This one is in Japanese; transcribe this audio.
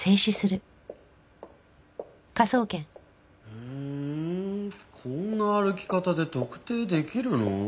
うーんこんな歩き方で特定できるの？